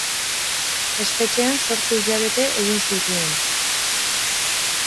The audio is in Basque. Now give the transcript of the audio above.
Espetxean zortzi hilabete egin zituen.